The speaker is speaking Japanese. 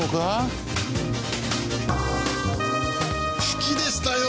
好きでしたよ！